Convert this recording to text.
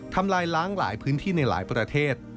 ทำลายล้างหลายพื้นที่ในหลายประเทศ